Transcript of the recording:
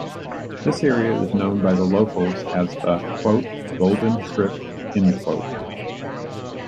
This area is known by locals as the "Golden Strip".